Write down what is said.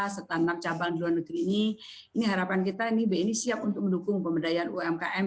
serta enam cabang di luar negeri ini ini harapan kita ini bni siap untuk mendukung pemberdayaan umkm